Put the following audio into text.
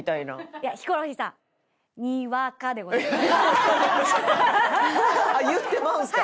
いやヒコロヒーさんあっ言ってまうんですか？